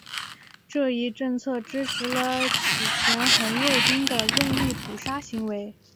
这一政策支持了此前红卫兵的任意扑杀行为。